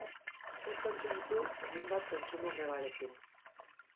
Ez kontsumitu, egin bat kontsumo grebarekin.